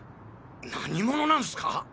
何者なんスか？